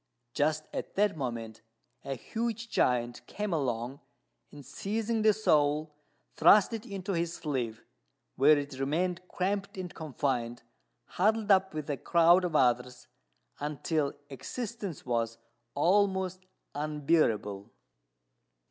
Just at that moment a huge giant came along, and, seizing the soul, thrust it into his sleeve, where it remained cramped and confined, huddled up with a crowd of others, until existence was almost unbearable.